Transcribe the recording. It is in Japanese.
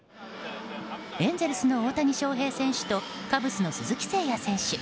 エンゼルスの大谷翔平選手とカブスの鈴木誠也選手。